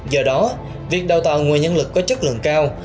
giờ đó việc đào tạo người nhân lực có chất lượng cao